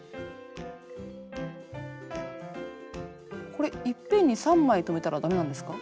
これいっぺんに３枚留めたらダメなんですか？